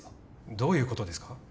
どういうことですか？